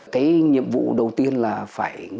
cái nhiệm vụ đầu tiên là phải